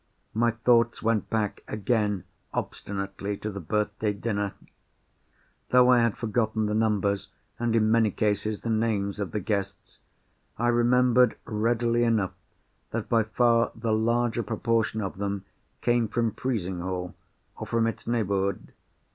My thoughts went back again obstinately to the birthday dinner. Though I had forgotten the numbers, and, in many cases, the names of the guests, I remembered readily enough that by far the larger proportion of them came from Frizinghall, or from its neighbourhood.